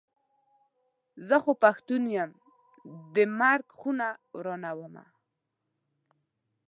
زه خو پښتون یم د مرک خونه ورانومه.